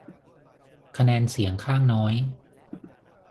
คะแนนเสียงข้างน้อย